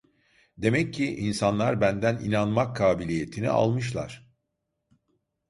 Demek ki, insanlar benden inanmak kabiliyetini almışlar…